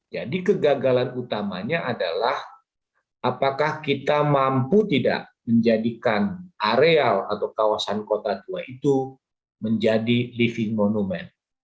jadi kegagalan utamanya adalah apakah kita mampu tidak menjadikan areal atau kawasan kota tua itu menjadi living monument